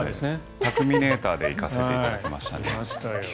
タクミネーターで行かせていただきました。